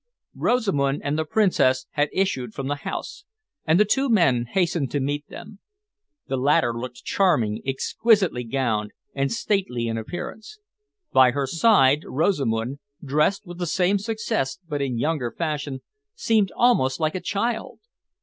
Rosamund and the Princess had issued from the house, and the two men hastened to meet them. The latter looked charming, exquisitely gowned, and stately in appearance. By her side Rosamund, dressed with the same success but in younger fashion, seemed almost like a child.